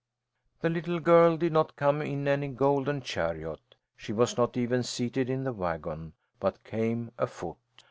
The little girl did not come in any golden chariot, she was not even seated in the wagon, but came afoot.